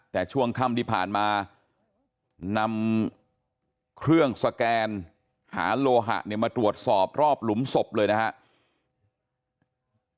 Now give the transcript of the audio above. แต่ช่วงค่ำที่ผ่านมานำเครื่องสแกนหาโลหะเนี่ยมาตรวจสอบรอบหลุมศพเลยนะครับ